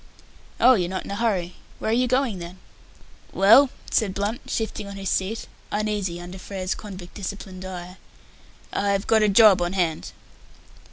"Oh, you're not in a hurry; where are you going then?" "Well," said Blunt, shifting on his seat, uneasy under Frere's convict disciplined eye, "I've got a job on hand."